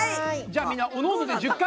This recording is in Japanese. じゃあみんなおのおので１０回。